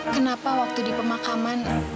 kenapa waktu di pemakaman